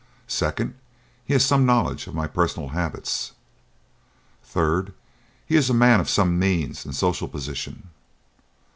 "Second: He has some knowledge of my personal habits. "Third: He is a man of some means and social position.